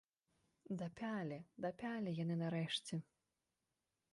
Дапялі, дапялі яны нарэшце!